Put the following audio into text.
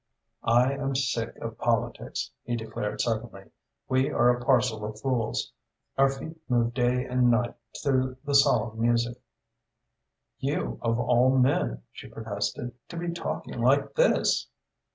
"I am sick of politics," he declared suddenly. "We are a parcel of fools. Our feet move day and night to the solemn music." "You, of all men," she protested, "to be talking like this!"